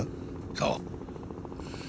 そう。